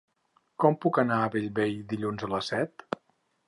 Com puc anar a Bellvei dilluns a les set?